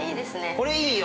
◆これいいよ。